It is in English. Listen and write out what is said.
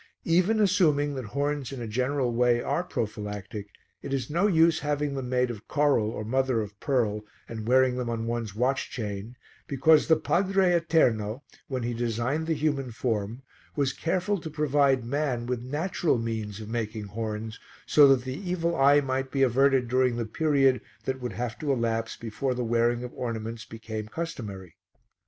Even assuming that horns in a general way are prophylactic, it is no use having them made of coral or mother of pearl and wearing them on one's watch chain, because the Padre Eterno, when he designed the human form, was careful to provide man with natural means of making horns so that the evil eye might be averted during the period that would have to elapse before the wearing of ornaments became customary.